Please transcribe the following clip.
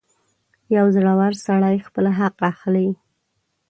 • یو زړور سړی خپل حق اخلي.